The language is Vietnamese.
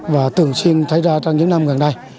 và thường xuyên thấy ra trong những năm gần đây